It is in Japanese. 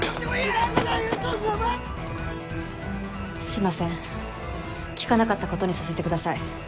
グダグダ言うとんのはすいません聞かなかったことにさせてください